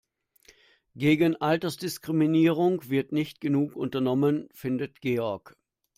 Gegen Altersdiskriminierung wird nicht genug unternommen, findet Georg.